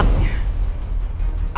aku meminta keadilan